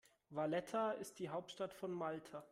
Valletta ist die Hauptstadt von Malta.